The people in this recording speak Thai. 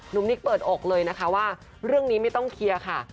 นิกเปิดอกเลยนะคะว่าเรื่องนี้ไม่ต้องเคลียร์ค่ะ